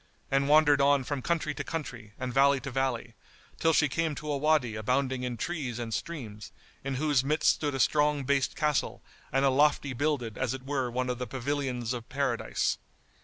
and wandered on from country to country, and valley to valley, till she came to a Wady abounding in trees and streams, in whose midst stood a strong based castle and a lofty builded as it were one of the pavilions of Paradise.